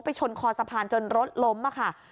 ชนคอสะพานจนรถล้มค่ะ